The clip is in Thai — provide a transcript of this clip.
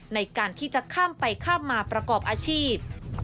ในการที่จะข้ามไปข้ามมาประกอบอาชีพ